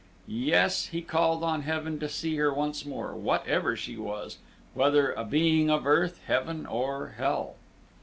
Yes, he called on Heaven to see her once more, whatever she was, whether a being of earth, heaven, or hell.